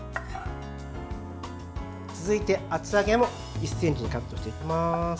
続いて、厚揚げも１ｃｍにカットしていきます。